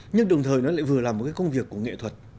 nhưng đồng thời nó lại vừa là một cái công việc của nghệ thuật